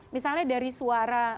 misalnya dari suara